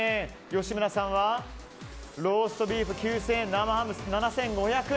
吉村さんはローストビーフ９０００円生ハム７５００円。